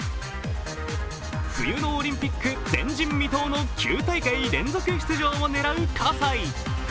冬のオリンピック、前人未到の９大会連続出場を狙う葛西。